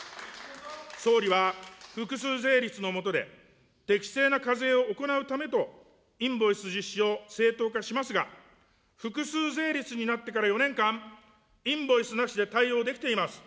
総理は複数税率の下で適正な課税を行うためと、インボイス実施を正当化しますが、複数税率になってから４年間、インボイスなしで対応できています。